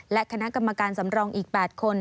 และคณะกรรมการสำรองอีก๘คน